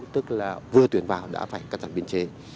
tức là vừa tuyển vào đã phải cắt giảm biên chế